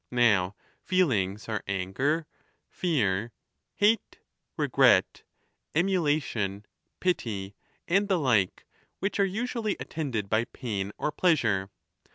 Now feelings are anger, fear, hate, regret, emulation, pity, and the like, which are usually attended by pain or pleasure.